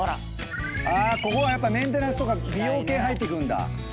ここはやっぱメンテナンスとか美容系入ってくるんだ。